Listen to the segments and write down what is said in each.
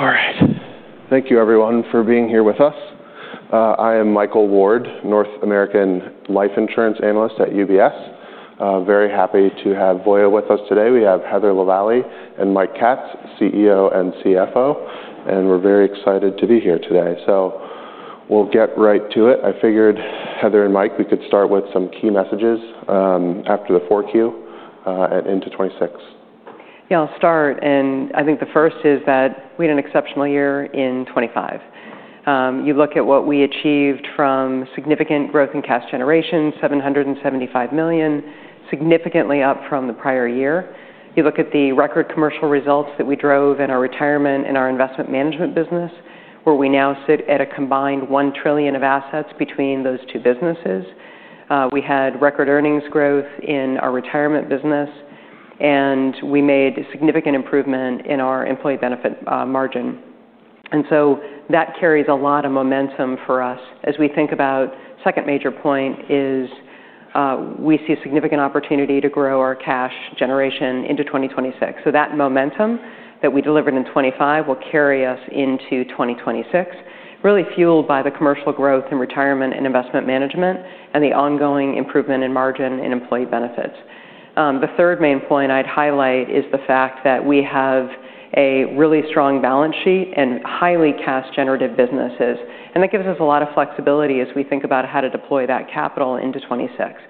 All right. Thank you, everyone, for being here with us. I am Michael Ward, North American Life Insurance Analyst at UBS. Very happy to have Voya with us today. We have Heather Lavallee and Mike Katz, CEO and CFO, and we're very excited to be here today. So we'll get right to it. I figured, Heather and Mike, we could start with some key messages, after the 4Q, and into 2026. Yeah. I'll start. And I think the first is that we had an exceptional year in 2025. You look at what we achieved from significant growth in cash generation, $775 million, significantly up from the prior year. You look at the record commercial results that we drove in our Retirement and our Investment Management business, where we now sit at a combined $1 trillion of assets between those two businesses. We had record earnings growth in our Retirement business, and we made a significant improvement in our Employee Benefits margin. And so that carries a lot of momentum for us as we think about. Second major point is, we see a significant opportunity to grow our cash generation into 2026. So that momentum that we delivered in 2025 will carry us into 2026, really fueled by the commercial growth in retirement and investment management and the ongoing improvement in margin and employee benefits. The third main point I'd highlight is the fact that we have a really strong balance sheet and highly cash-generative businesses, and that gives us a lot of flexibility as we think about how to deploy that capital into 2026.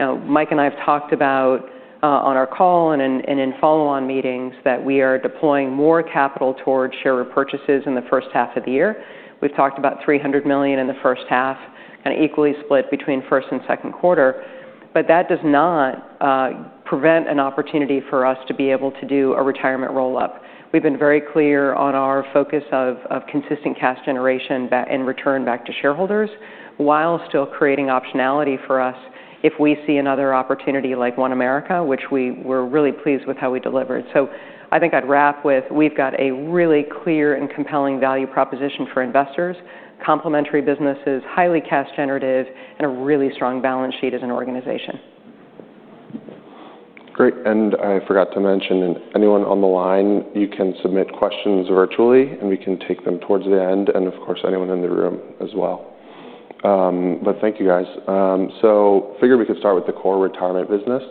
Now, Mike and I have talked about, on our call and in, and in follow-on meetings that we are deploying more capital toward share repurchases in the first half of the year. We've talked about $300 million in the first half, kinda equally split between first and second quarter. But that does not prevent an opportunity for us to be able to do a retirement roll-up. We've been very clear on our focus of consistent cash generation back and return back to shareholders while still creating optionality for us if we see another opportunity like OneAmerica, which we were really pleased with how we delivered. So I think I'd wrap with we've got a really clear and compelling value proposition for investors: complementary businesses, highly cash-generative, and a really strong balance sheet as an organization. Great. I forgot to mention, anyone on the line, you can submit questions virtually, and we can take them towards the end, and of course, anyone in the room as well. But thank you, guys. So figured we could start with the core retirement business: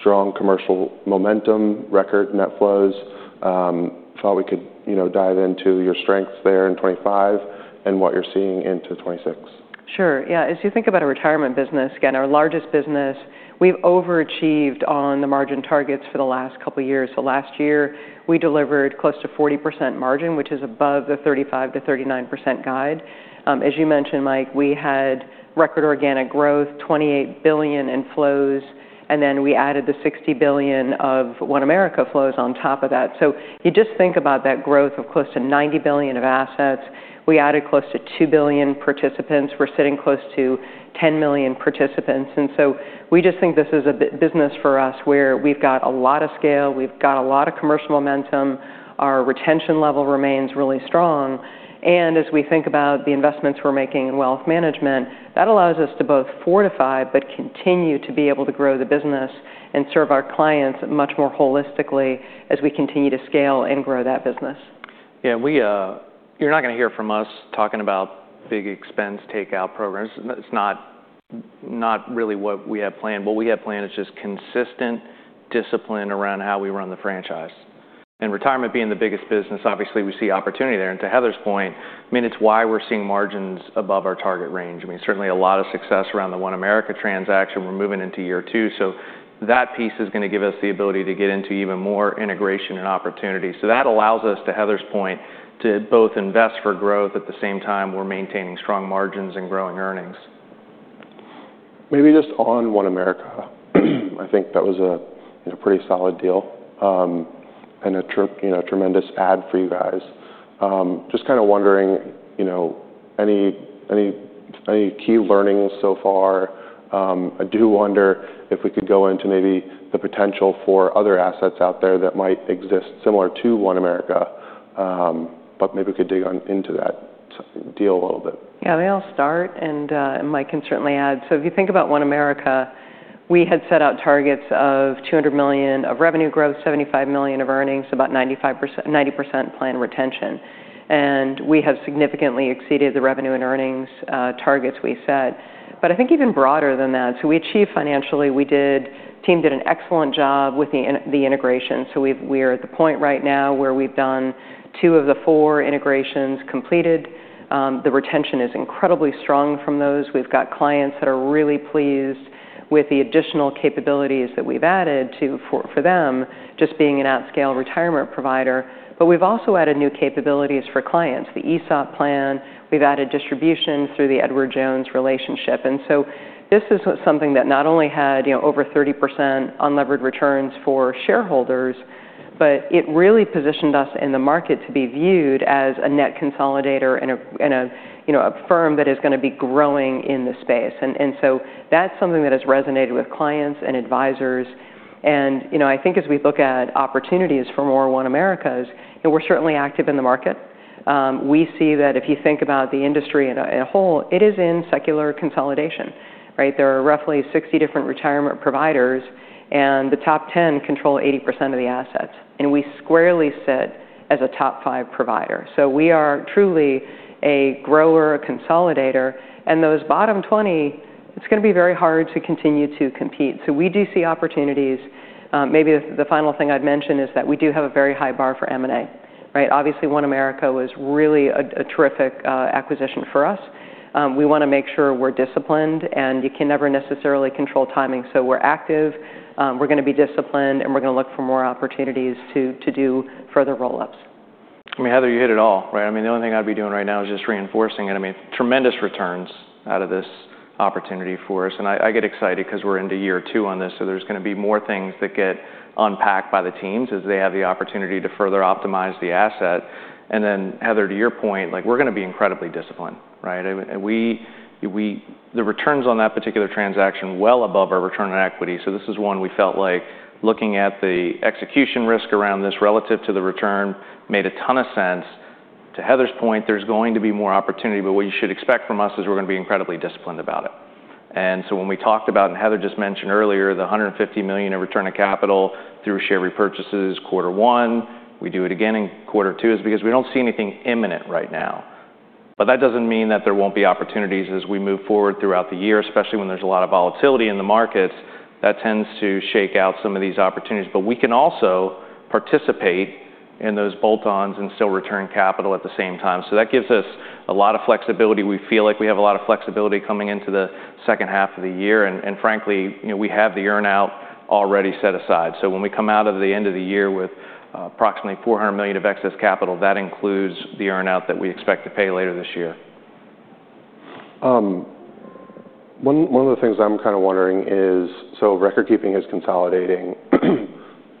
strong commercial momentum, record net flows. Thought we could, you know, dive into your strengths there in 2025 and what you're seeing into 2026. Sure. Yeah. As you think about a retirement business, again, our largest business, we've overachieved on the margin targets for the last couple years. So last year, we delivered close to 40% margin, which is above the 35%-39% guide. As you mentioned, Mike, we had record organic growth, $28 billion in flows, and then we added the $60 billion of OneAmerica flows on top of that. So you just think about that growth of close to $90 billion of assets. We added close to two billion participants. We're sitting close to 10 million participants. And so we just think this is a big business for us where we've got a lot of scale. We've got a lot of commercial momentum. Our retention level remains really strong. As we think about the investments we're making in wealth management, that allows us to both fortify but continue to be able to grow the business and serve our clients much more holistically as we continue to scale and grow that business. Yeah. And we, you're not gonna hear from us talking about big expense takeout programs. It's not, not really what we have planned. What we have planned is just consistent discipline around how we run the franchise. And retirement being the biggest business, obviously, we see opportunity there. And to Heather's point, I mean, it's why we're seeing margins above our target range. I mean, certainly a lot of success around the OneAmerica transaction. We're moving into year two. So that piece is gonna give us the ability to get into even more integration and opportunity. So that allows us, to Heather's point, to both invest for growth at the same time we're maintaining strong margins and growing earnings. Maybe just on OneAmerica, I think that was a, you know, pretty solid deal, and a true, you know, a tremendous add for you guys. Just kinda wondering, you know, any key learnings so far. I do wonder if we could go into maybe the potential for other assets out there that might exist similar to OneAmerica, but maybe we could dig into that deal a little bit. Yeah. They all start. And Mike can certainly add. So if you think about OneAmerica, we had set out targets of $200 million of revenue growth, $75 million of earnings, about 90% planned retention. And we have significantly exceeded the revenue and earnings targets we set. But I think even broader than that, so we achieved financially. The team did an excellent job with the integration. So we are at the point right now where we've completed two of the four integrations. The retention is incredibly strong from those. We've got clients that are really pleased with the additional capabilities that we've added for them, just being an at-scale retirement provider. But we've also added new capabilities for clients: the ESOP plan. We've added distribution through the Edward Jones relationship. And so this is a something that not only had, you know, over 30% unlevered returns for shareholders, but it really positioned us in the market to be viewed as a net consolidator and a, you know, a firm that is gonna be growing in the space. And so that's something that has resonated with clients and advisors. And, you know, I think as we look at opportunities for more OneAmericas, you know, we're certainly active in the market. We see that if you think about the industry in a whole, it is in secular consolidation, right? There are roughly 60 different retirement providers, and the top 10 control 80% of the assets. And we squarely sit as a top five provider. So we are truly a grower, a consolidator. And those bottom 20, it's gonna be very hard to continue to compete. So we do see opportunities. Maybe the final thing I'd mention is that we do have a very high bar for M&A, right? Obviously, OneAmerica was really a terrific acquisition for us. We wanna make sure we're disciplined, and you can never necessarily control timing. So we're active. We're gonna be disciplined, and we're gonna look for more opportunities to do further roll-ups. I mean, Heather, you hit it all, right? I mean, the only thing I'd be doing right now is just reinforcing it. I mean, tremendous returns out of this opportunity for us. And I, I get excited 'cause we're into year two on this. So there's gonna be more things that get unpacked by the teams as they have the opportunity to further optimize the asset. And then, Heather, to your point, like, we're gonna be incredibly disciplined, right? I mean, and we, we the returns on that particular transaction, well above our return on equity. So this is one we felt like looking at the execution risk around this relative to the return made a ton of sense. To Heather's point, there's going to be more opportunity, but what you should expect from us is we're gonna be incredibly disciplined about it. So when we talked about, and Heather just mentioned earlier, the $150 million of return to capital through share repurchases quarter one, we do it again in quarter two is because we don't see anything imminent right now. But that doesn't mean that there won't be opportunities as we move forward throughout the year, especially when there's a lot of volatility in the markets. That tends to shake out some of these opportunities. But we can also participate in those bolt-ons and still return capital at the same time. So that gives us a lot of flexibility. We feel like we have a lot of flexibility coming into the second half of the year. And frankly, you know, we have the earnout already set aside. When we come out of the end of the year with approximately $400 million of excess capital, that includes the earnout that we expect to pay later this year. One of the things I'm kinda wondering is so record keeping is consolidating.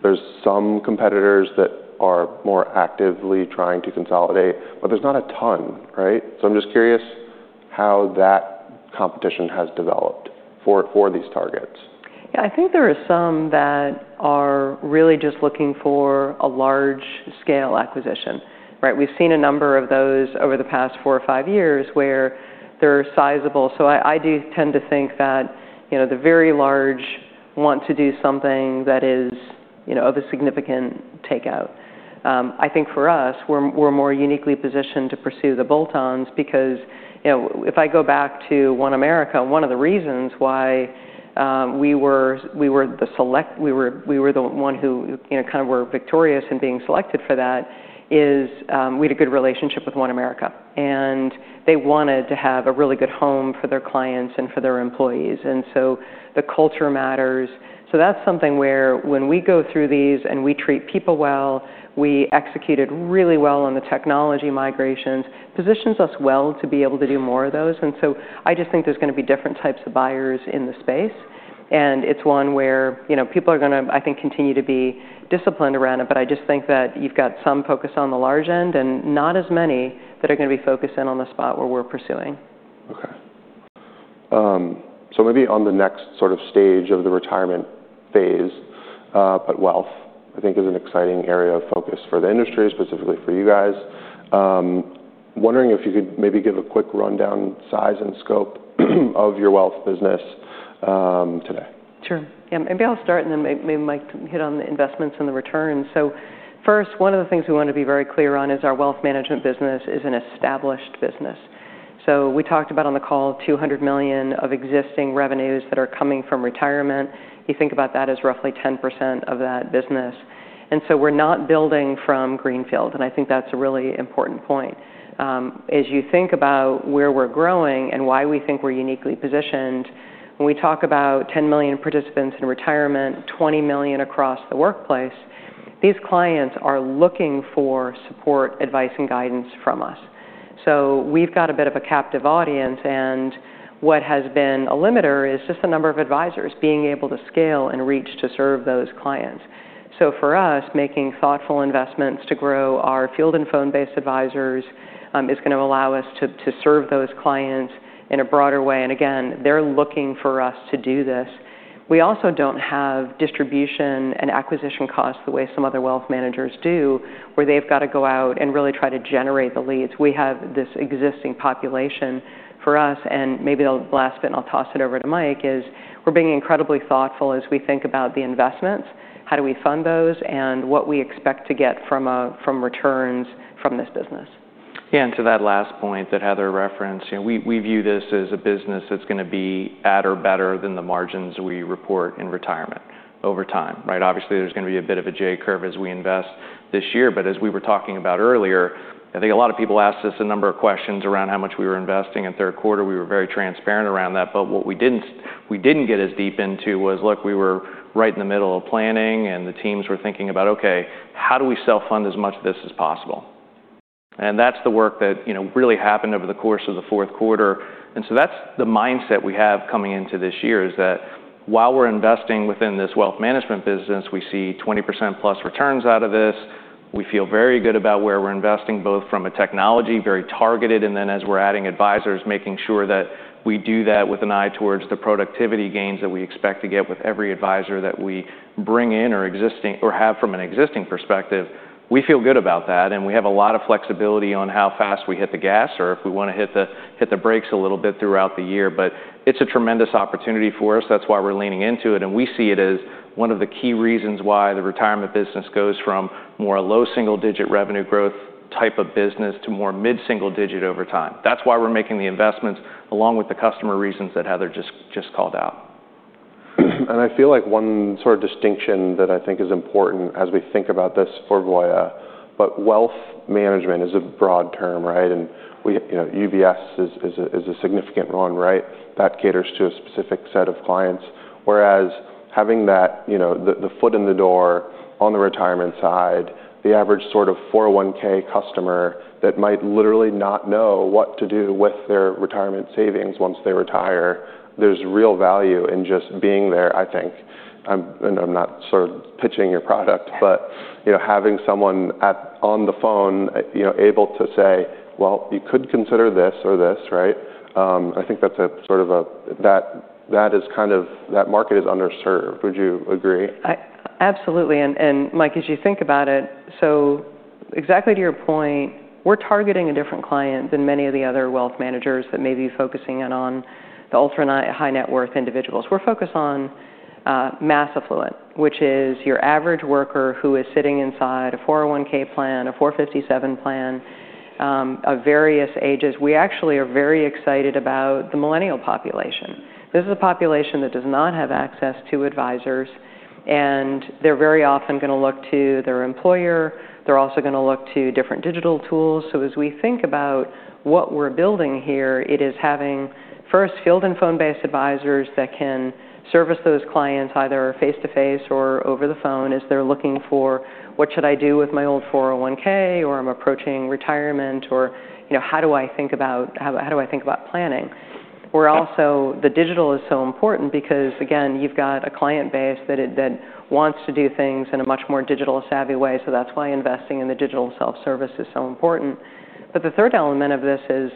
There's some competitors that are more actively trying to consolidate, but there's not a ton, right? So I'm just curious how that competition has developed for these targets. Yeah. I think there are some that are really just looking for a large-scale acquisition, right? We've seen a number of those over the past four or five years where they're sizable. So I do tend to think that, you know, the very large want to do something that is, you know, of a significant takeout. I think for us, we're more uniquely positioned to pursue the bolt-ons because, you know, if I go back to OneAmerica, one of the reasons why we were the one who, you know, kinda were victorious in being selected for that is, we had a good relationship with OneAmerica. And they wanted to have a really good home for their clients and for their employees. And so the culture matters. So that's something where when we go through these and we treat people well, we executed really well on the technology migrations, positions us well to be able to do more of those. And so I just think there's gonna be different types of buyers in the space. And it's one where, you know, people are gonna, I think, continue to be disciplined around it. But I just think that you've got some focus on the large end and not as many that are gonna be focused in on the spot where we're pursuing. Okay, so maybe on the next sort of stage of the retirement phase, but wealth, I think, is an exciting area of focus for the industry, specifically for you guys. Wondering if you could maybe give a quick rundown size and scope of your wealth business, today. Sure. Yeah. Maybe I'll start, and then maybe Mike can hit on the investments and the returns. So first, one of the things we wanna be very clear on is our wealth management business is an established business. So we talked about on the call $200 million of existing revenues that are coming from retirement. You think about that as roughly 10% of that business. And so we're not building from greenfield. And I think that's a really important point. As you think about where we're growing and why we think we're uniquely positioned, when we talk about 10 million participants in retirement, 20 million across the workplace, these clients are looking for support, advice, and guidance from us. So we've got a bit of a captive audience. And what has been a limiter is just the number of advisors, being able to scale and reach to serve those clients. So for us, making thoughtful investments to grow our field and phone-based advisors, is gonna allow us to serve those clients in a broader way. And again, they're looking for us to do this. We also don't have distribution and acquisition costs the way some other wealth managers do, where they've gotta go out and really try to generate the leads. We have this existing population for us. And maybe the last bit, and I'll toss it over to Mike, is we're being incredibly thoughtful as we think about the investments, how do we fund those, and what we expect to get from returns from this business. Yeah. And to that last point that Heather referenced, you know, we view this as a business that's gonna be at or better than the margins we report in retirement over time, right? Obviously, there's gonna be a bit of a J-curve as we invest this year. But as we were talking about earlier, I think a lot of people asked us a number of questions around how much we were investing in third quarter. We were very transparent around that. But what we didn't get as deep into was, look, we were right in the middle of planning, and the teams were thinking about, okay, how do we self-fund as much of this as possible? And that's the work that, you know, really happened over the course of the fourth quarter. And so that's the mindset we have coming into this year is that while we're investing within this wealth management business, we see 20%+ returns out of this. We feel very good about where we're investing, both from a technology, very targeted. And then as we're adding advisors, making sure that we do that with an eye towards the productivity gains that we expect to get with every advisor that we bring in or existing or have from an existing perspective, we feel good about that. And we have a lot of flexibility on how fast we hit the gas or if we wanna hit the brakes a little bit throughout the year. But it's a tremendous opportunity for us. That's why we're leaning into it. We see it as one of the key reasons why the retirement business goes from more a low-single-digit revenue growth type of business to more mid-single-digit over time. That's why we're making the investments along with the customer reasons that Heather just, just called out. And I feel like one sort of distinction that I think is important as we think about this for Voya, but wealth management is a broad term, right? And we, you know, UBS is a significant one, right? That caters to a specific set of clients. Whereas having that, you know, the foot in the door on the retirement side, the average sort of 401(k) customer that might literally not know what to do with their retirement savings once they retire, there's real value in just being there, I think. And I'm not sort of pitching your product, but, you know, having someone on the phone, you know, able to say, "Well, you could consider this or this," right? I think that's a sort of that, that is kind of that market is underserved. Would you agree? I absolutely. And Mike, as you think about it, so exactly to your point, we're targeting a different client than many of the other wealth managers that may be focusing in on the ultra-high-net-worth individuals. We're focused on mass affluent, which is your average worker who is sitting inside a 401(k) plan, a 457 plan, of various ages. We actually are very excited about the millennial population. This is a population that does not have access to advisors. They're very often gonna look to their employer. They're also gonna look to different digital tools. So as we think about what we're building here, it is having, first, field and phone-based advisors that can service those clients either face-to-face or over the phone as they're looking for, "What should I do with my old 401(k)?" or, "I'm approaching retirement," or, you know, "How do I think about how, how do I think about planning?" We're also the digital is so important because, again, you've got a client base that it that wants to do things in a much more digital-savvy way. So that's why investing in the digital self-service is so important. But the third element of this is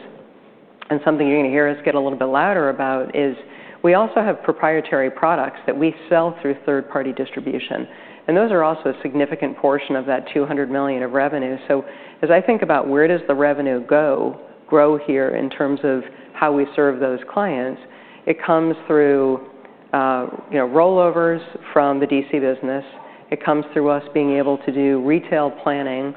and something you're gonna hear us get a little bit louder about is we also have proprietary products that we sell through third-party distribution. And those are also a significant portion of that $200 million of revenue. So as I think about where does the revenue go, grow here in terms of how we serve those clients, it comes through, you know, rollovers from the DC business. It comes through us being able to do retail planning,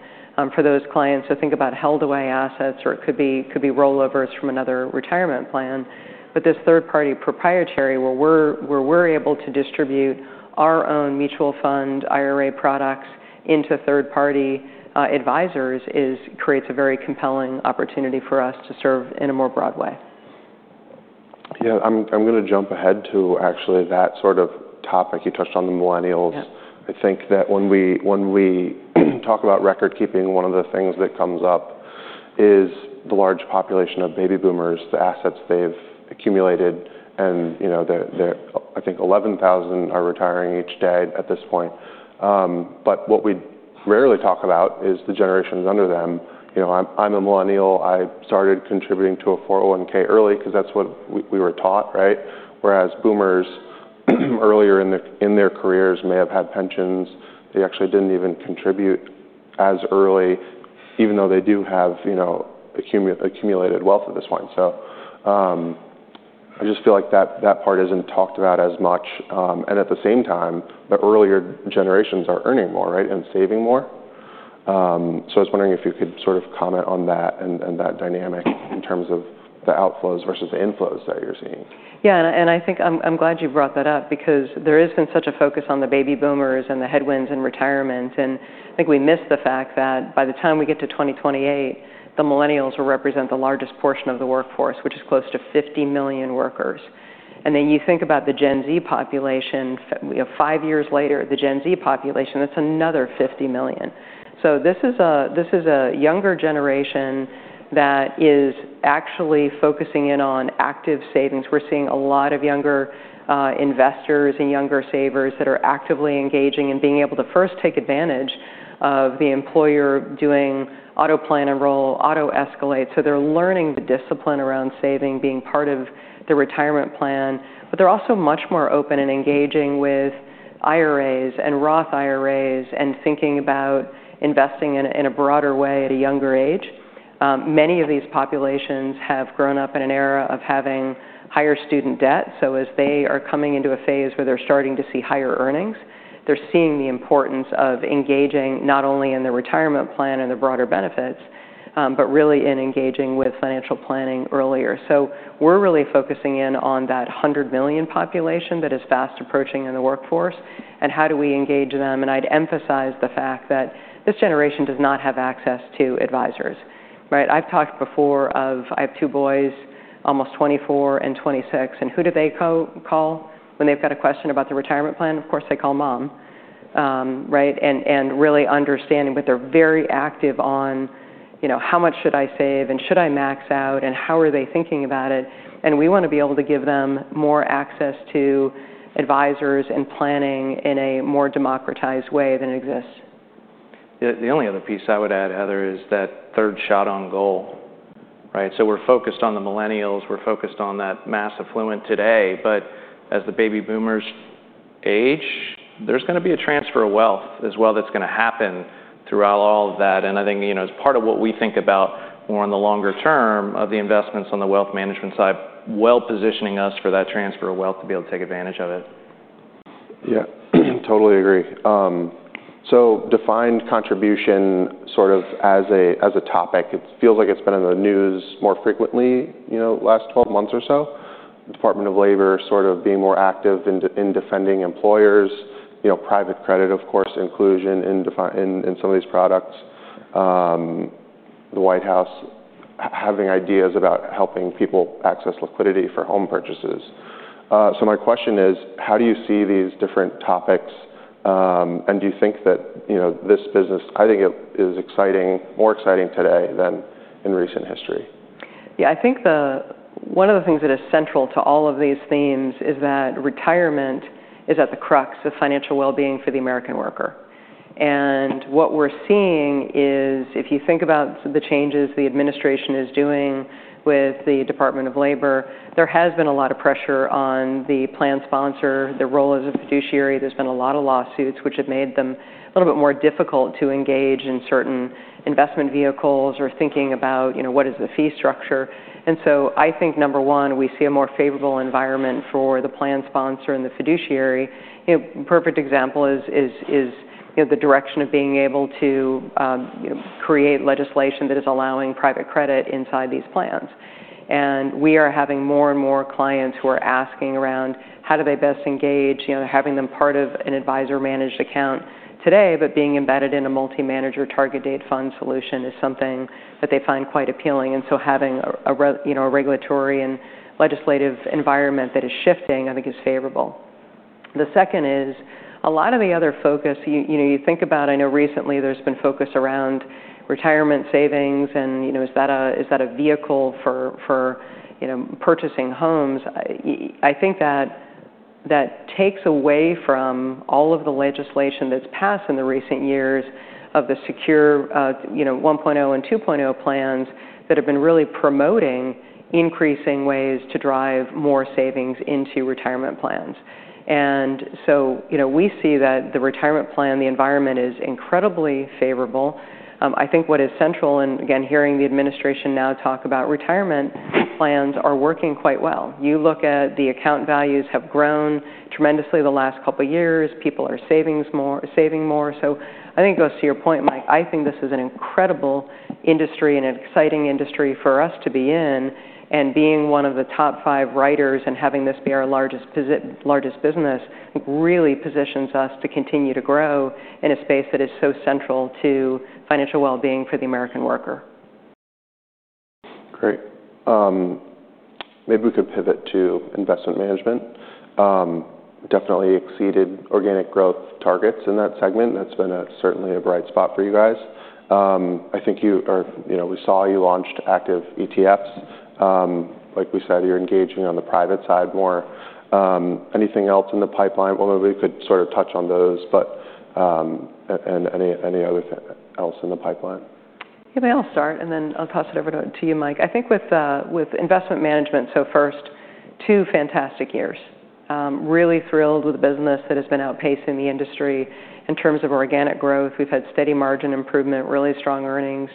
for those clients. So think about held-away assets, or it could be it could be rollovers from another retirement plan. But this third-party proprietary, where we're where we're able to distribute our own mutual fund IRA products into third-party, advisors is creates a very compelling opportunity for us to serve in a more broad way. Yeah. I'm, I'm gonna jump ahead to actually that sort of topic. You touched on the Millennials. Yeah. I think that when we talk about record keeping, one of the things that comes up is the large population of Baby Boomers, the assets they've accumulated. And, you know, they're, I think 11,000 are retiring each day at this point. But what we rarely talk about is the generations under them. You know, I'm a Millennial. I started contributing to a 401(k) early 'cause that's what we were taught, right? Whereas Boomers earlier in their careers may have had pensions. They actually didn't even contribute as early, even though they do have, you know, accumulated wealth at this point. So, I just feel like that part isn't talked about as much. And at the same time, the earlier generations are earning more, right, and saving more. I was wondering if you could sort of comment on that and, and that dynamic in terms of the outflows versus the inflows that you're seeing? Yeah. And I think I'm glad you brought that up because there has been such a focus on the Baby Boomers and the headwinds in retirement. And I think we miss the fact that by the time we get to 2028, the Millennials will represent the largest portion of the workforce, which is close to 50 million workers. And then you think about the Gen Z population, you know, 5 years later, the Gen Z population, that's another 50 million. So this is a younger generation that is actually focusing in on active savings. We're seeing a lot of younger investors and younger savers that are actively engaging and being able to first take advantage of the employer doing auto-plan enrollment, auto-escalation. So they're learning the discipline around saving, being part of the retirement plan. But they're also much more open and engaging with IRAs and Roth IRAs and thinking about investing in a broader way at a younger age. Many of these populations have grown up in an era of having higher student debt. So as they are coming into a phase where they're starting to see higher earnings, they're seeing the importance of engaging not only in the retirement plan and the broader benefits, but really in engaging with financial planning earlier. So we're really focusing in on that 100 million population that is fast approaching in the workforce. And how do we engage them? And I'd emphasize the fact that this generation does not have access to advisors, right? I've talked before of I have two boys, almost 24 and 26. And who do they co-call when they've got a question about the retirement plan? Of course, they call Mom, right? And really understanding, but they're very active on, you know, how much should I save, and should I max out, and how are they thinking about it? And we wanna be able to give them more access to advisors and planning in a more democratized way than it exists. Yeah. The only other piece I would add, Heather, is that third shot on goal, right? So we're focused on the Millennials. We're focused on that mass affluent today. But as the Baby Boomers age, there's gonna be a transfer of wealth as well that's gonna happen throughout all of that. And I think, you know, as part of what we think about more on the longer term of the investments on the wealth management side, well-positioning us for that transfer of wealth to be able to take advantage of it. Yeah. Totally agree. So defined contribution sort of as a, as a topic, it feels like it's been in the news more frequently, you know, last 12 months or so. Department of Labor sort of being more active in defending employers, you know, private credit, of course, inclusion in, in some of these products. The White House having ideas about helping people access liquidity for home purchases. So my question is, how do you see these different topics? And do you think that, you know, this business I think it is exciting, more exciting today than in recent history. Yeah. I think the one of the things that is central to all of these themes is that retirement is at the crux of financial well-being for the American worker. And what we're seeing is if you think about the changes the administration is doing with the Department of Labor, there has been a lot of pressure on the plan sponsor, their role as a fiduciary. There's been a lot of lawsuits which have made them a little bit more difficult to engage in certain investment vehicles or thinking about, you know, what is the fee structure. And so I think, number one, we see a more favorable environment for the plan sponsor and the fiduciary. You know, perfect example is, you know, the direction of being able to, you know, create legislation that is allowing private credit inside these plans. We are having more and more clients who are asking around, how do they best engage, you know, having them part of an Advisor-Managed Account today, but being embedded in a Multi-Manager Target-Date Fund solution is something that they find quite appealing. And so having a, you know, a regulatory and legislative environment that is shifting, I think, is favorable. The second is a lot of the other focus you, you know, you think about. I know recently, there's been focus around retirement savings. And, you know, is that a vehicle for, for, you know, purchasing homes? I, I think that, that takes away from all of the legislation that's passed in the recent years of the SECURE, you know, 1.0 and 2.0 plans that have been really promoting increasing ways to drive more savings into retirement plans. And so, you know, we see that the retirement plan environment is incredibly favorable. I think what is central and, again, hearing the administration now talk about retirement plans are working quite well. You look at the account values have grown tremendously the last couple of years. People are saving more. So I think it goes to your point, Mike. I think this is an incredible industry and an exciting industry for us to be in. And being one of the top five writers and having this be our largest business really positions us to continue to grow in a space that is so central to financial well-being for the American worker. Great. Maybe we could pivot to Investment Management. Definitely exceeded organic growth targets in that segment. That's been a certainly a bright spot for you guys. I think you or, you know, we saw you launched active ETFs. Like we said, you're engaging on the private side more. Anything else in the pipeline? Well, maybe we could sort of touch on those, but—and any other thing else in the pipeline? Yeah. Maybe I'll start, and then I'll toss it over to you, Mike. I think with investment management, so first, two fantastic years. Really thrilled with the business that has been outpacing the industry in terms of organic growth. We've had steady margin improvement, really strong earnings,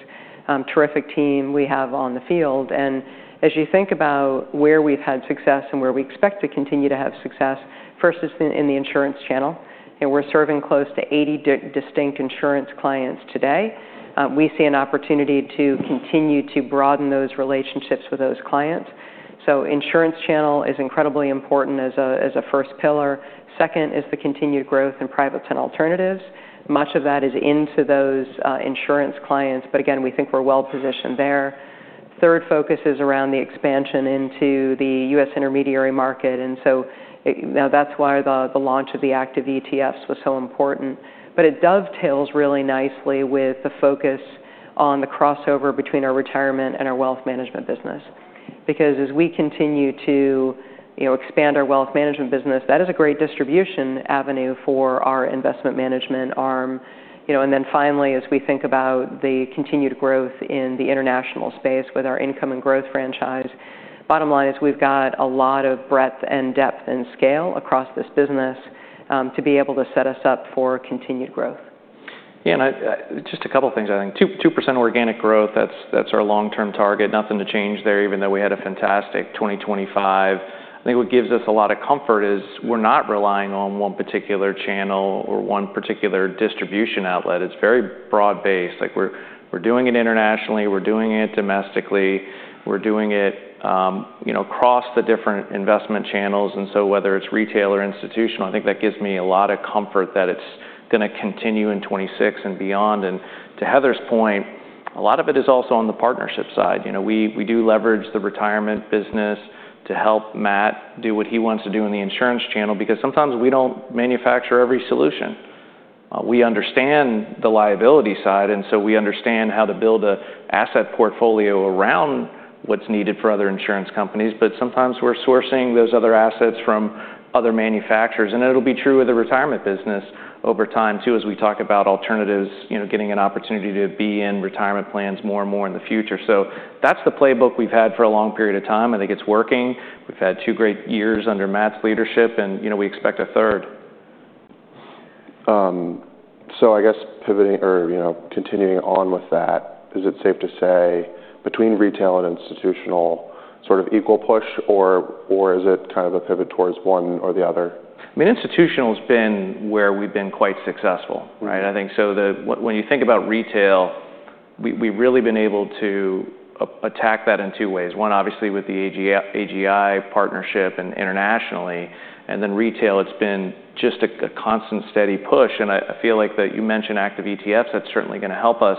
terrific team we have on the field. And as you think about where we've had success and where we expect to continue to have success, first is in the insurance channel. You know, we're serving close to 80 distinct insurance clients today. We see an opportunity to continue to broaden those relationships with those clients. So insurance channel is incredibly important as a first pillar. Second is the continued growth in private and alternatives. Much of that is into those insurance clients. But again, we think we're well-positioned there. Third focus is around the expansion into the U.S. intermediary market. And so now, that's why the launch of the active ETFs was so important. But it dovetails really nicely with the focus on the crossover between our retirement and our wealth management business because as we continue to, you know, expand our wealth management business, that is a great distribution avenue for our investment management arm. You know, and then finally, as we think about the continued growth in the international space with our Income and Growth franchise, bottom line is we've got a lot of breadth and depth and scale across this business, to be able to set us up for continued growth. Yeah. And I just a couple of things, I think. 2% organic growth, that's our long-term target. Nothing to change there, even though we had a fantastic 2025. I think what gives us a lot of comfort is we're not relying on one particular channel or one particular distribution outlet. It's very broad-based. Like, we're doing it internationally. We're doing it domestically. We're doing it, you know, across the different investment channels. And so whether it's retail or institutional, I think that gives me a lot of comfort that it's gonna continue in 2026 and beyond. And to Heather's point, a lot of it is also on the partnership side. You know, we do leverage the retirement business to help Matt do what he wants to do in the insurance channel because sometimes we don't manufacture every solution. We understand the liability side. And so we understand how to build an asset portfolio around what's needed for other insurance companies. But sometimes we're sourcing those other assets from other manufacturers. And it'll be true with the retirement business over time too as we talk about alternatives, you know, getting an opportunity to be in retirement plans more and more in the future. So that's the playbook we've had for a long period of time. I think it's working. We've had two great years under Matt's leadership. And, you know, we expect a third. I guess pivoting or, you know, continuing on with that, is it safe to say between retail and institutional sort of equal push, or, or is it kind of a pivot towards one or the other? I mean, institutional's been where we've been quite successful, right? I think, so when you think about retail, we've really been able to attack that in two ways. One, obviously, with the AGI, AGI partnership and internationally. And then retail, it's been just a constant, steady push. And I feel like that you mentioned active ETFs. That's certainly gonna help us.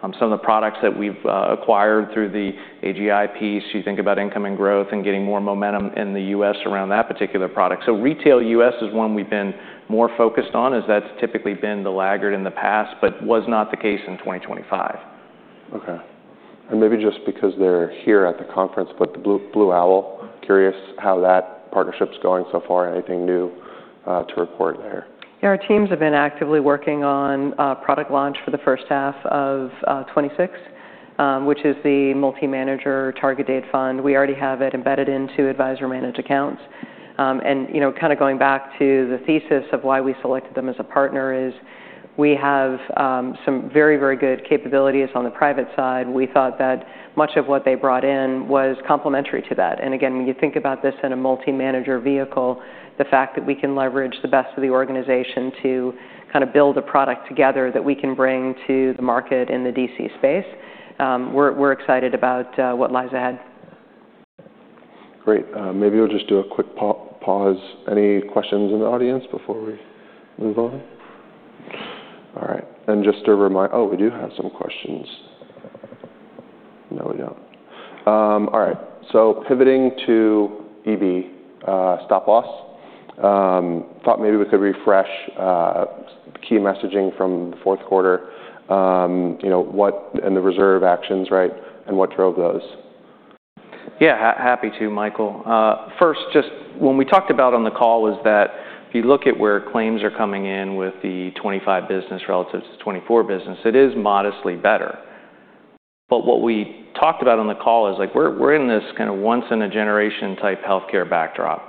Some of the products that we've acquired through the AGI piece, you think about income and growth and getting more momentum in the U.S. around that particular product. So retail U.S. is one we've been more focused on as that's typically been the laggard in the past but was not the case in 2025. Okay. And maybe just because they're here at the conference, but the Blue Owl, curious how that partnership's going so far, anything new to report there? Yeah. Our teams have been actively working on product launch for the first half of 2026, which is the Multi-Manager Target-Date Fund. We already have it embedded into Advisor-Managed Accounts. And you know, kinda going back to the thesis of why we selected them as a partner is we have some very, very good capabilities on the private side. We thought that much of what they brought in was complementary to that. And again, when you think about this in a multi-manager vehicle, the fact that we can leverage the best of the organization to kinda build a product together that we can bring to the market in the DC space, we're excited about what lies ahead. Great. Maybe we'll just do a quick pause. Any questions in the audience before we move on? All right. And just to remind, oh, we do have some questions. No, we don't. All right. So, pivoting to EB, Stop Loss. Thought maybe we could refresh key messaging from the fourth quarter, you know, what. And the reserve actions, right, and what drove those? Yeah. Happy to, Michael. First, just when we talked about on the call was that if you look at where claims are coming in with the 2025 business relative to 2024 business, it is modestly better. But what we talked about on the call is, like, we're in this kinda once-in-a-generation type healthcare backdrop.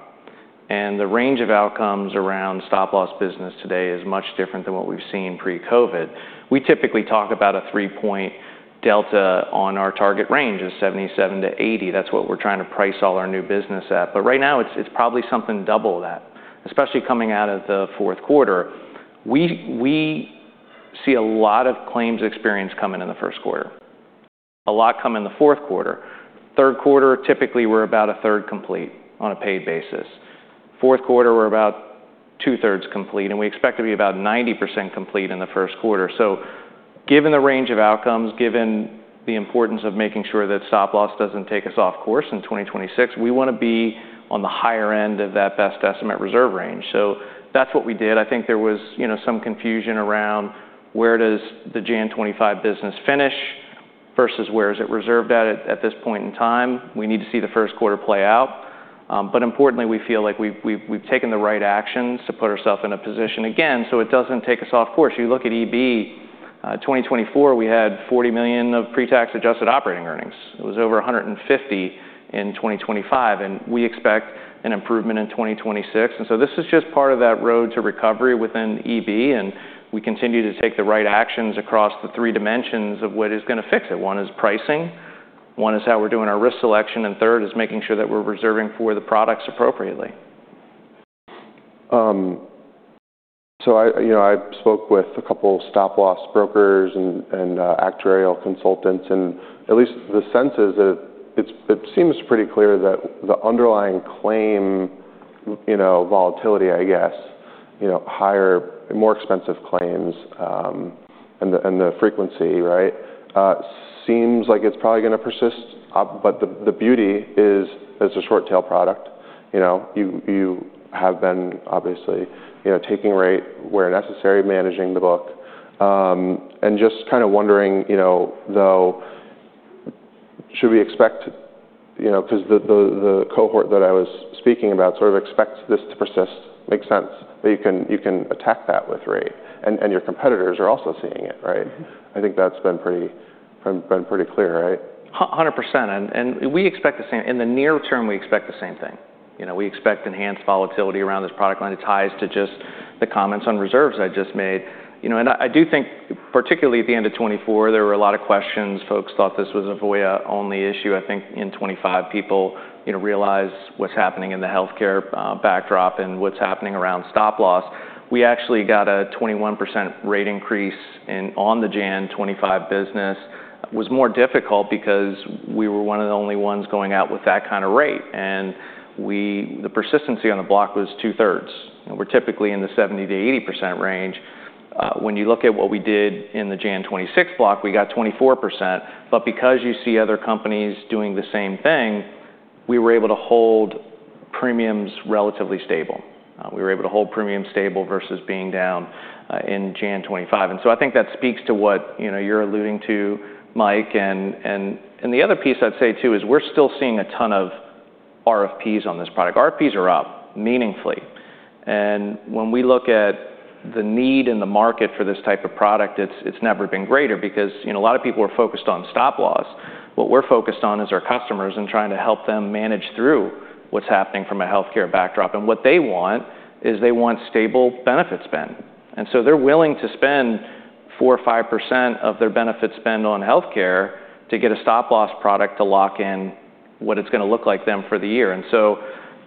And the range of outcomes around stop-loss business today is much different than what we've seen pre-COVID. We typically talk about a three-point delta on our target range is 77-80. That's what we're trying to price all our new business at. But right now, it's probably something double that, especially coming out of the fourth quarter. We see a lot of claims experience coming in the first quarter, a lot come in the fourth quarter. Third quarter, typically, we're about a third complete on a paid basis. Fourth quarter, we're about two-thirds complete. We expect to be about 90% complete in the first quarter. So given the range of outcomes, given the importance of making sure that Stop Loss doesn't take us off course in 2026, we wanna be on the higher end of that best estimate reserve range. So that's what we did. I think there was, you know, some confusion around where does the January 2025 business finish versus where is it reserved at, at this point in time? We need to see the first quarter play out. But importantly, we feel like we've taken the right actions to put ourselves in a position again so it doesn't take us off course. You look at EB, 2024, we had $40 million of pre-tax adjusted operating earnings. It was over $150 million in 2025. We expect an improvement in 2026. And so this is just part of that road to recovery within EB. And we continue to take the right actions across the three dimensions of what is gonna fix it. One is pricing. One is how we're doing our risk selection. And third is making sure that we're reserving for the products appropriately. So I, you know, I spoke with a couple stop-loss brokers and actuarial consultants. And at least the sense is that it seems pretty clear that the underlying claim, you know, volatility, I guess, you know, higher, more expensive claims, and the frequency, right, seems like it's probably gonna persist. But the beauty is it's a short-tail product. You know, you have been, obviously, you know, taking rate where necessary, managing the book. And just kinda wondering, you know, though, should we expect to, you know, 'cause the cohort that I was speaking about sort of expects this to persist. Makes sense that you can attack that with rate. And your competitors are also seeing it, right? I think that's been pretty clear, right? 100%. And we expect the same in the near term, we expect the same thing. You know, we expect enhanced volatility around this product line. It ties to just the comments on reserves I just made. You know, and I do think particularly at the end of 2024, there were a lot of questions. Folks thought this was a Voya-only issue. I think in 2025, people, you know, realize what's happening in the healthcare backdrop and what's happening around Stop Loss. We actually got a 21% rate increase in on the January 2025 business. It was more difficult because we were one of the only ones going out with that kinda rate. And the persistency on the block was 2/3. You know, we're typically in the 70%-80% range. When you look at what we did in the January 2026 block, we got 24%. But because you see other companies doing the same thing, we were able to hold premiums relatively stable. We were able to hold premiums stable versus being down in January 2025. And so I think that speaks to what, you know, you're alluding to, Mike. And the other piece I'd say too is we're still seeing a ton of RFPs on this product. RFPs are up meaningfully. And when we look at the need in the market for this type of product, it's never been greater because, you know, a lot of people are focused on Stop Loss. What we're focused on is our customers and trying to help them manage through what's happening from a healthcare backdrop. And what they want is they want stable benefit spend. And so they're willing to spend 4%-5% of their benefit spend on healthcare to get a Stop Loss product to lock in what it's gonna look like them for the year. And so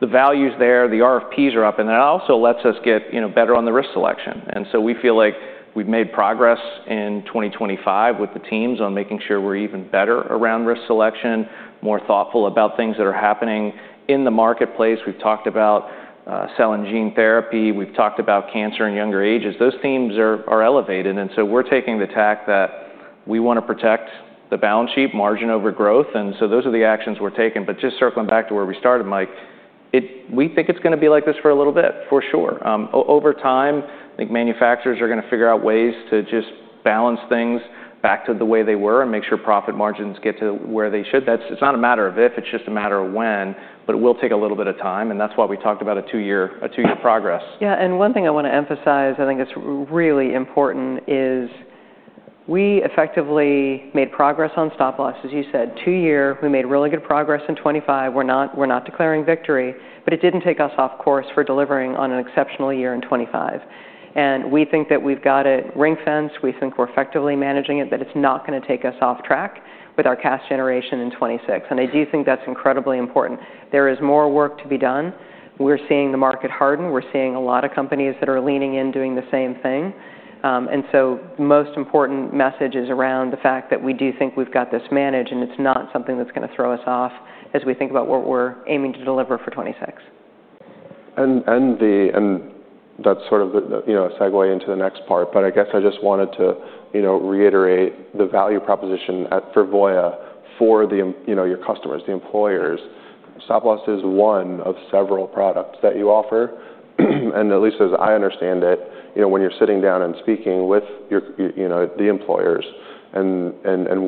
the values there, the RFPs are up. And that also lets us get, you know, better on the risk selection. And so we feel like we've made progress in 2025 with the teams on making sure we're even better around risk selection, more thoughtful about things that are happening in the marketplace. We've talked about cell and gene therapy. We've talked about cancer in younger ages. Those themes are elevated. And so we're taking the tack that we wanna protect the balance sheet, margin over growth. And so those are the actions we're taking. But just circling back to where we started, Mike, we think it's gonna be like this for a little bit for sure. Over time, I think manufacturers are gonna figure out ways to just balance things back to the way they were and make sure profit margins get to where they should. That's not a matter of if. It's just a matter of when. But it will take a little bit of time. And that's why we talked about a two-year progress. Yeah. And one thing I wanna emphasize, I think it's really important, is we effectively made progress on Stop Loss, as you said. Two years, we made really good progress in 2025. We're not declaring victory. But it didn't take us off course for delivering on an exceptional year in 2025. And we think that we've got it ring-fenced. We think we're effectively managing it, that it's not gonna take us off track with our cash generation in 2026. And I do think that's incredibly important. There is more work to be done. We're seeing the market harden. We're seeing a lot of companies that are leaning in doing the same thing. And so the most important message is around the fact that we do think we've got this managed, and it's not something that's gonna throw us off as we think about what we're aiming to deliver for 2026. And that's sort of the, you know, a segue into the next part. But I guess I just wanted to, you know, reiterate the value proposition at for Voya for the IM you know, your customers, the employers. Stop Loss is one of several products that you offer. And at least as I understand it, you know, when you're sitting down and speaking with your, you know, the employers and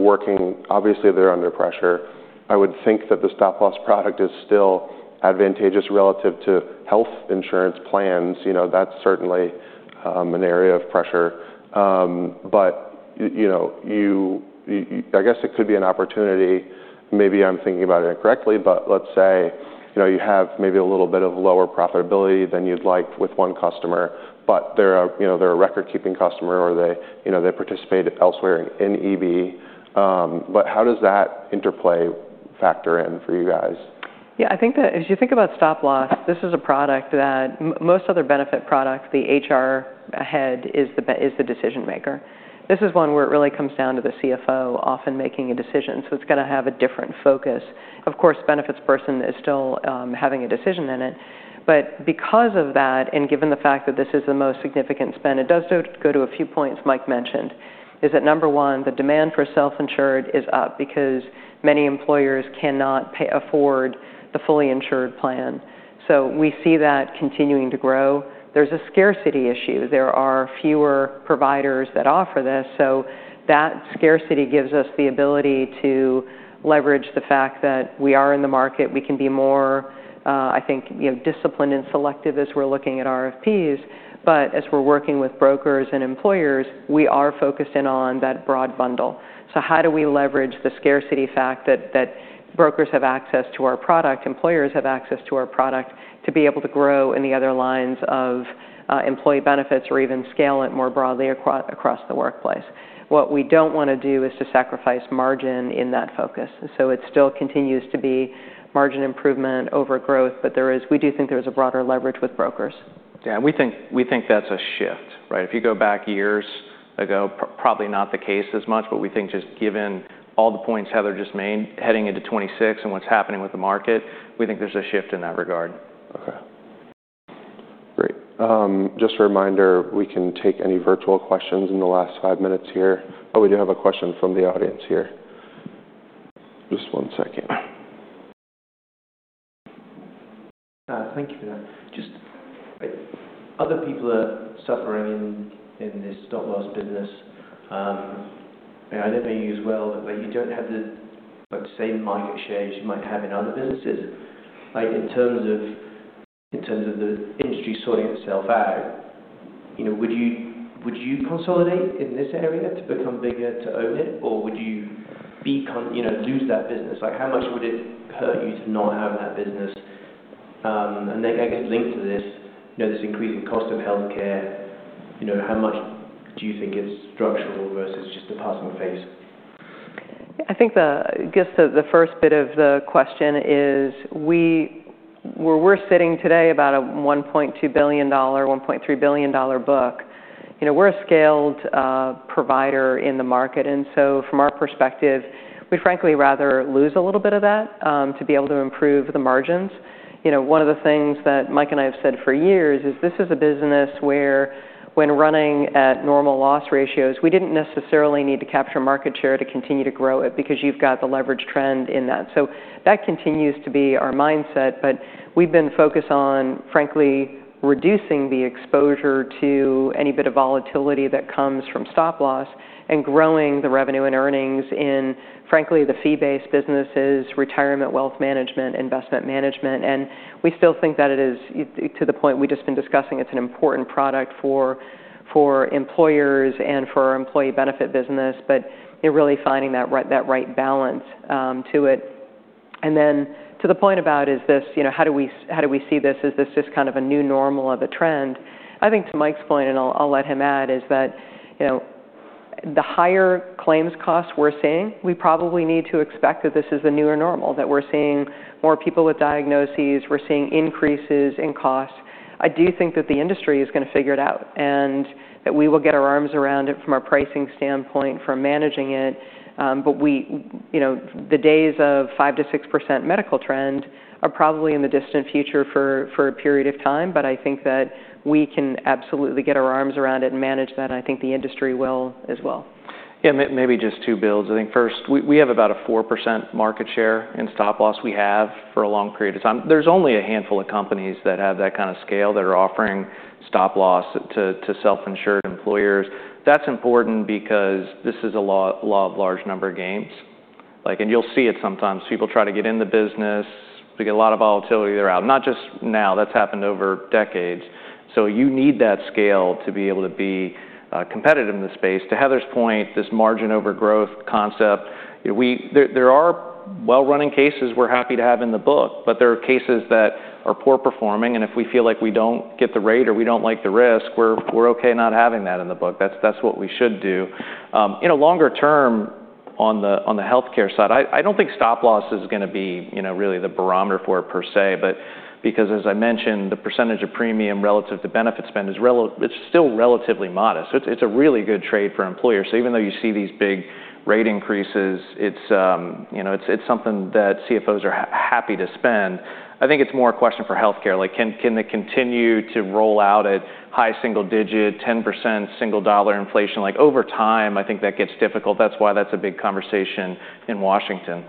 working obviously, they're under pressure. I would think that the Stop Loss product is still advantageous relative to health insurance plans. You know, that's certainly an area of pressure. But you know, you I guess it could be an opportunity. Maybe I'm thinking about it incorrectly. But let's say, you know, you have maybe a little bit of lower profitability than you'd like with one customer. But they're a, you know, they're a record-keeping customer or they, you know, they participate elsewhere in EB. But how does that interplay factor in for you guys? Yeah. I think that as you think about Stop Loss, this is a product that most other benefit products, the HR head is the decision maker. This is one where it really comes down to the CFO often making a decision. So it's gonna have a different focus. Of course, benefits person is still having a decision in it. But because of that and given the fact that this is the most significant spend, it does go to a few points Mike mentioned, is that, number one, the demand for self-insured is up because many employers cannot afford the fully insured plan. So we see that continuing to grow. There's a scarcity issue. There are fewer providers that offer this. So that scarcity gives us the ability to leverage the fact that we are in the market. We can be more, I think, you know, disciplined and selective as we're looking at RFPs. But as we're working with brokers and employers, we are focused in on that broad bundle. So how do we leverage the scarcity fact that brokers have access to our product, employers have access to our product to be able to grow in the other lines of employee benefits or even scale it more broadly across the workplace? What we don't wanna do is to sacrifice margin in that focus. And so it still continues to be margin improvement over growth. But we do think there is a broader leverage with brokers. Yeah. We think that's a shift, right? If you go back years ago, probably not the case as much. But we think just given all the points Heather just made heading into 2026 and what's happening with the market, we think there's a shift in that regard. Okay. Great. Just a reminder, we can take any virtual questions in the last five minutes here. Oh, we do have a question from the audience here. Just one second. Thank you for that. Just, like, other people are suffering in, in this Stop Loss business. And I know you as well, but, like, you don't have the, like, the same market shares you might have in other businesses. Like, in terms of in terms of the industry sorting itself out, you know, would you would you consolidate in this area to become bigger, to own it, or would you be con you know, lose that business? Like, how much would it hurt you to not have that business? And then, I guess, linked to this, you know, this increasing cost of healthcare, you know, how much do you think it's structural versus just a passing phase? I think, I guess, the first bit of the question is we're sitting today about a $1.2 billion-$1.3 billion book. You know, we're a scaled provider in the market. And so from our perspective, we'd frankly rather lose a little bit of that to be able to improve the margins. You know, one of the things that Mike and I have said for years is this is a business where when running at normal loss ratios, we didn't necessarily need to capture market share to continue to grow it because you've got the leveraged trend in that. So that continues to be our mindset. But we've been focused on, frankly, reducing the exposure to any bit of volatility that comes from Stop Loss and growing the revenue and earnings in, frankly, the fee-based businesses, retirement wealth management, investment management. And we still think that it is key to the point we've just been discussing; it's an important product for employers and for our employee benefit business. But you know, really finding that right balance to it. And then to the point about, is this, you know, how do we see this? Is this just kind of a new normal of a trend? I think to Mike's point, and I'll let him add, is that you know, the higher claims costs we're seeing; we probably need to expect that this is the new normal, that we're seeing more people with diagnoses. We're seeing increases in costs. I do think that the industry is gonna figure it out and that we will get our arms around it from a pricing standpoint, from managing it. But we, you know, the days of 5%-6% medical trend are probably in the distant future for a period of time. But I think that we can absolutely get our arms around it and manage that. And I think the industry will as well. Yeah. Maybe just two builds. I think first, we have about a 4% market share in Stop Loss we have for a long period of time. There's only a handful of companies that have that kinda scale that are offering Stop Loss to self-insured employers. That's important because this is a law of large numbers game. Like, and you'll see it sometimes. People try to get in the business. We get a lot of volatility. They're out. Not just now. That's happened over decades. So you need that scale to be able to be competitive in the space. To Heather's point, this margin over growth concept, you know, there are well-running cases we're happy to have in the book. But there are cases that are poor performing. And if we feel like we don't get the rate or we don't like the risk, we're okay not having that in the book. That's what we should do, you know. Longer term on the healthcare side, I don't think Stop Loss is gonna be, you know, really the barometer for it per se. But because, as I mentioned, the percentage of premium relative to benefit spend is, it's still relatively modest. So it's a really good trade for employers. So even though you see these big rate increases, it's, you know, it's something that CFOs are happy to spend. I think it's more a question for healthcare. Like, can they continue to roll out at high single digit, 10% single dollar inflation? Like, over time, I think that gets difficult. That's why that's a big conversation in Washington.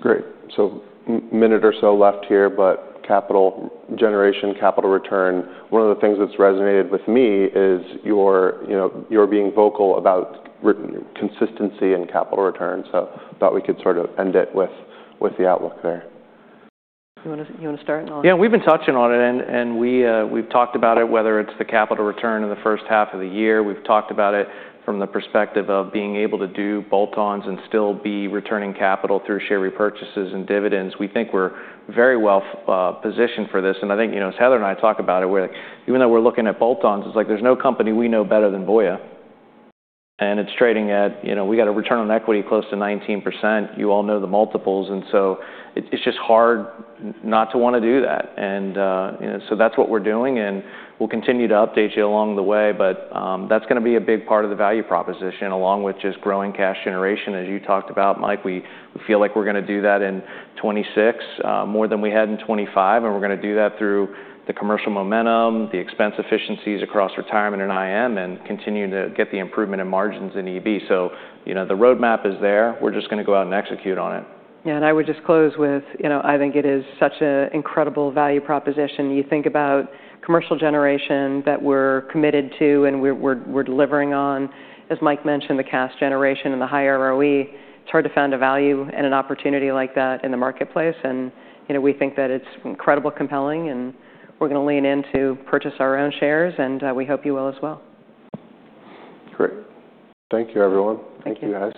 Great. So a minute or so left here. But capital generation, capital return, one of the things that's resonated with me is your, you know, your being vocal about your consistency in capital return. So thought we could sort of end it with the outlook there. You wanna start on it? Yeah. And we've been touching on it. And we've talked about it, whether it's the capital return in the first half of the year. We've talked about it from the perspective of being able to do bolt-ons and still be returning capital through share repurchases and dividends. We think we're very well positioned for this. And I think, you know, as Heather and I talk about it, we're like, even though we're looking at bolt-ons, it's like there's no company we know better than Voya. And it's trading at, you know, we got a return on equity close to 19%. You all know the multiples. And so it's just hard not to wanna do that. And, you know, so that's what we're doing. And we'll continue to update you along the way. But, that's gonna be a big part of the value proposition along with just growing cash generation, as you talked about, Mike. We feel like we're gonna do that in 2026, more than we had in 2025. And we're gonna do that through the commercial momentum, the expense efficiencies across retirement and IM, and continue to get the improvement in margins in EB. So, you know, the roadmap is there. We're just gonna go out and execute on it. Yeah. And I would just close with, you know, I think it is such an incredible value proposition. You think about cash generation that we're committed to and we're delivering on. As Mike mentioned, the cash generation and the high ROE, it's hard to find a value and an opportunity like that in the marketplace. And, you know, we think that it's incredibly compelling. And we're gonna lean in to purchase our own shares. And, we hope you will as well. Great. Thank you, everyone. Thank you. Thank you, guys.